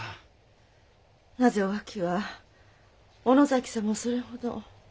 なぜお秋は小野崎様をそれほど。